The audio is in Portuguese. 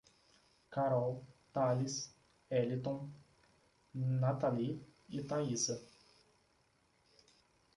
Carol, Thales, Eliton, Natali e Taísa